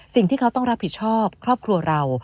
สิ่งที่เขาต้องรับผิดชอบครอบครัวเรา